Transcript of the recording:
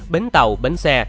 bến tàu bến xe